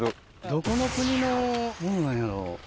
どこの国のものなんやろう？